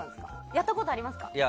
やったことあります？